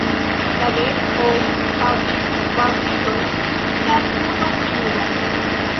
La geedzoj havis kvar filojn kaj unu filinon.